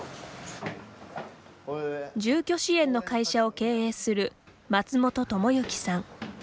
住居支援の会社を経営する松本知之さん。